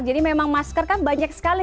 jadi memang masker kan banyak sekali